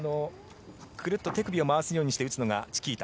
くるっと手首を回すように打つのがチキータ。